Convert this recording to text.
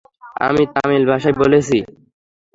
আমি তামিল ভাষায় বলেছি।